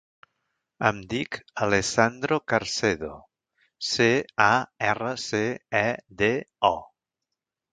Em dic Alessandro Carcedo: ce, a, erra, ce, e, de, o.